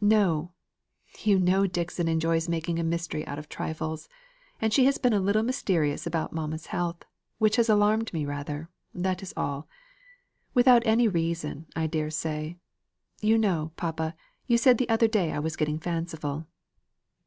"No! You know Dixon enjoys making a mystery out of trifles; and she has been a little mysterious about mamma's health, which has alarmed me rather, that is all. Without any reason I dare say. You know, papa, you said the other day I was getting fanciful."